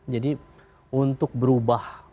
jadi untuk berubah